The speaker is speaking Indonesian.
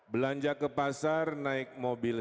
belanja ke pasar naik mobil